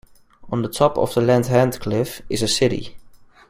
On the top of the left hand cliff is a city.